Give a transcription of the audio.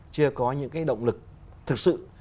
chưa có những động lực thực sự